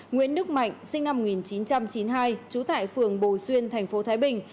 nguyễn đức mạnh sinh năm một nghìn chín trăm chín mươi hai trú tại phường bồ xuyên thành phố thái bình